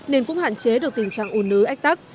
nên cũng hạn chế được tình trạng ồn ứ ách tắc